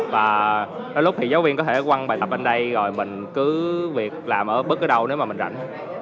và đôi lúc thì giáo viên có thể quăng bài tập bên đây rồi mình cứ việc làm ở bất cứ đâu nếu mà mình rảnh